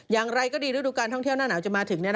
อย่างไรก็ดีฤดูการท่องเที่ยวหน้าหนาวจะมาถึง